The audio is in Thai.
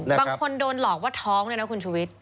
บางคนโดนหลอกว่าท้องเลยนะคุณชุวิต